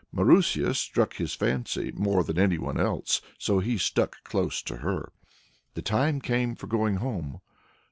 Marusia struck his fancy more than anyone else; so he stuck close to her. The time came for going home.